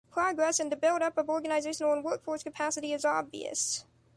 Progress in the build-up of organizational and workforce capacity is obvious.